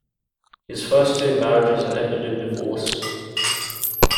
His first two marriages ended in divorce.